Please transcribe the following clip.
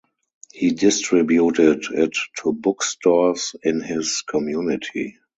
He distributed it to book stores in his community.